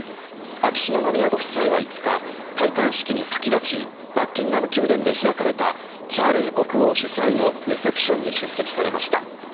秋篠宮ご夫妻は５日戴冠式に先立ちバッキンガム宮殿で開かれたチャールズ国王主催のレセプションに出席されました。